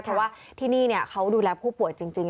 เพราะว่าที่นี่เขาดูแลผู้ป่วยจริง